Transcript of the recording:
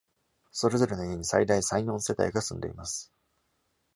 それぞれの家に、最大三〜四世帯が住んでいます。